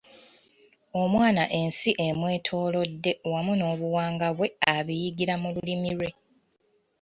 Omwana ensi emwetoolodde wamu n’obuwangwa bwe abiyigira mu lulimi lwe.